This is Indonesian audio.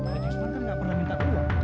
haji usman kan gak pernah minta uang